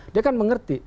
dia kan mengerti